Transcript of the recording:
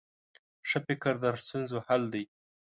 ښه فکر د ستونزو حل دی.